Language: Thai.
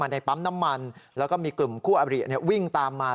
ในปั๊มน้ำมันแล้วก็มีกลุ่มคู่อบริวิ่งตามมา